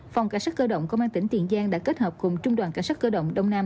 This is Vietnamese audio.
phòng cảnh sát cơ động công an tỉnh tiền giang đã kết hợp cùng trung đoàn cảnh sát cơ động đông nam